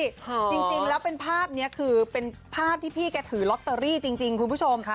จริงแล้วเป็นภาพนี้คือเป็นภาพที่พี่แกถือล็อตเตอรี่จริงคุณผู้ชม